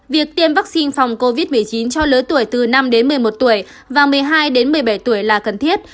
việc tiêm vaccine phòng covid một mươi chín cho lứa tuổi từ năm đến một mươi một tuổi và một mươi hai đến một mươi bảy tuổi là cần thiết